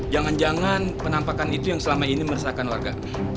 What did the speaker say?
jangan jangan penampakan itu yang selama ini meresahkan warga